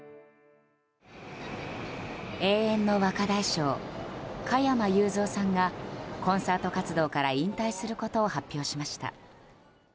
永遠の若大将、加山雄三さんがコンサート活動から引退することを発表しました。